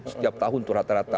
setiap tahun itu rata rata